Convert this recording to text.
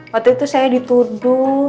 waktu itu saya dituduh